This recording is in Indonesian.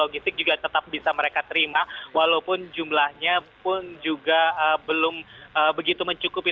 logistik juga tetap bisa mereka terima walaupun jumlahnya pun juga belum begitu mencukupi